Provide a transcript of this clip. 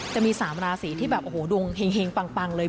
จะมี๓ราศีที่แบบโอ้โหดวงเฮงปังเลย